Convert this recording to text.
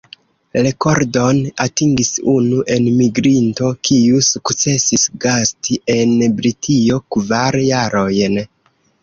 Rekordon atingis unu enmigrinto, kiu sukcesis gasti en Britio kvar jarojn.